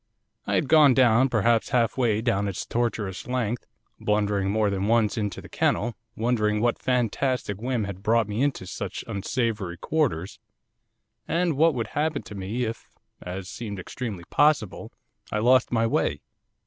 I had gone, perhaps, half way down its tortuous length, blundering more than once into the kennel, wondering what fantastic whim had brought me into such unsavoury quarters, and what would happen to me if, as seemed extremely possible, I lost my way.